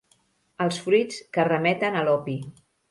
Els fruits que remeten a l'opi.